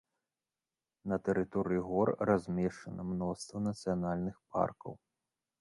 На тэрыторыі гор размешчана мноства нацыянальных паркаў.